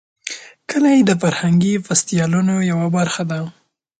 کلي د فرهنګي فستیوالونو یوه برخه ده.